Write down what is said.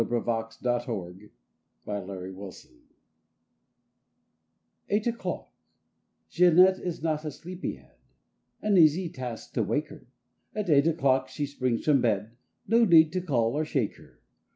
1 A PARIS PAIR A PARIS PAIR EIGHT O'CLOCK J EANETTE is not a sleepy head; An easy task, to wake her! At eight o'clock she springs from bed No need to call or shake her.